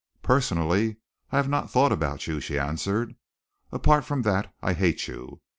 "Personally I have not thought about you," she answered. "Apart from that, I hate you.